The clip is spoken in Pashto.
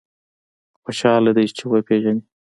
خوشاله دی چې وپېژني.